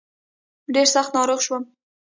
ډېر سخت ناروغ شوم.